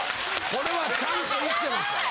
これはちゃんと生きてますから。